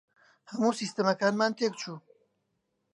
هەموو سیستەمەکانمان تێک چوون.